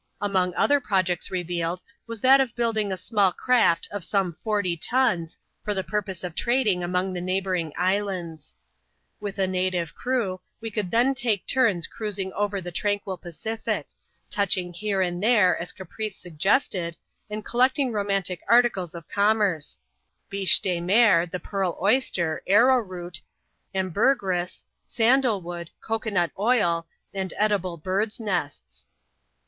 Among other projects revealed, was that of building a^ small craft of some forty tons, for the purpose of trading among the neighbouring islands. With a native crew, we would then take tvana oxxsi^xv^^^^^ ^^s^ 232 ADVENTURES IN THE SOUTH SEAS. [chap. tx. tranquil Pacific ; touching here and there, as caprice suggested^ and collecting romantic articles of commerce ;— biche de mer, the pearl oyster, arrow root, ambergris, sandal wood, cocoa nut oil, and edible birds' nests.